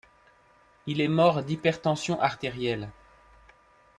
Il est mort d'hypertension artérielle.